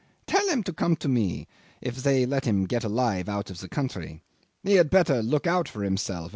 Tell him to come to me if they let him get alive out of the country. He had better look out for himself.